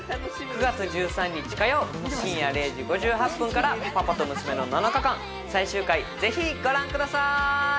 ９月１３日火曜深夜０時５８分から「パパとムスメの７日間」最終回ぜひご覧ください！